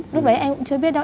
lúc đấy em cũng chưa biết đâu